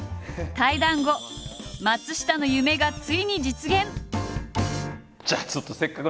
対談後松下の夢がついに実現。